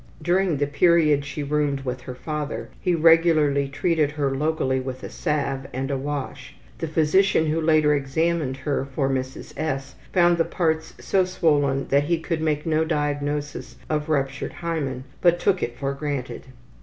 During the period she roomed with her father he regularly treated her locally with a salve and a wash. The physician who later examined her for Mrs. S. found the parts so swollen that he could make no diagnosis of ruptured hymen, but took it for granted.